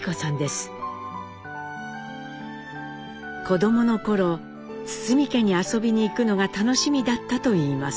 子どもの頃堤家に遊びに行くのが楽しみだったといいます。